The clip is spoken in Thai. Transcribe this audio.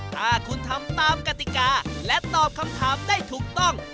ถ้าคุณทำตามกติกาและตอบคำถามได้ถูกต้อง